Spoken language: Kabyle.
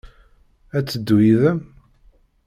Ad d-teddu yid-m?